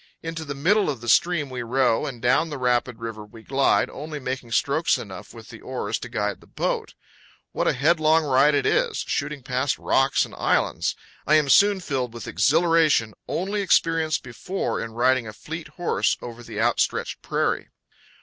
Into the middle of the stream we row, and down the rapid river we glide, only making strokes enough with the oars to guide the boat. What a headlong ride it is! shooting past rocks and islands. I am soon filled with exhilaration only experienced before in riding a fleet horse over the outstretched prairie.